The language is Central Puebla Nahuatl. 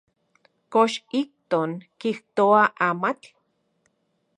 ¿Kox ijkon kijtoa amatl?